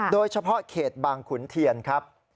โดยเฉพาะเขตบางขุนเทียนครับ